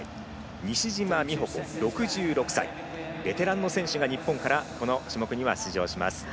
西島美保子、６６歳ベテランの選手が日本からはこの種目には出場します。